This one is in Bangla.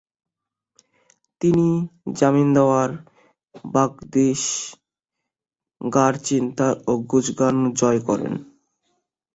তিনি জামিন্দাওয়ার, বাদগিস, গারচিস্তান ও গুজগান জয় করেন।